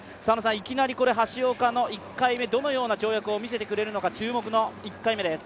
いきなり橋岡の１回目、どのような跳躍をみせてくれるのか注目の１回目です